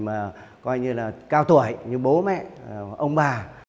mà coi như là cao tuổi như bố mẹ ông bà